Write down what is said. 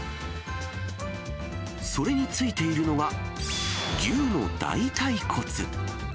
それについているのが、牛の大たい骨。